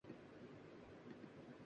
دل کہ ذوقِ کاوشِ ناخن سے لذت یاب تھا